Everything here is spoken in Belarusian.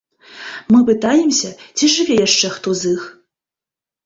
Мы пытаемся, ці жыве яшчэ хто з іх.